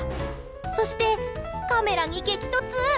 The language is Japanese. そして、カメラに激突。